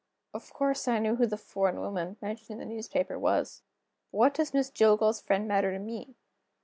Of course I knew who the foreign woman, mentioned in the newspaper, was. But what does Miss Jillgall's friend matter to me?